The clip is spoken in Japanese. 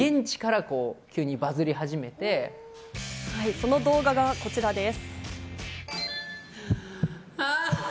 その動画がこちらです。